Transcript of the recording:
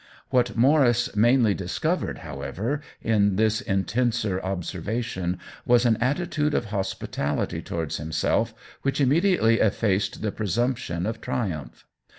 What Maurice mainly discovered, however, in this intenser observation was an attitude of hospitality towards himself which immediately effaced the presumption of " tri umph."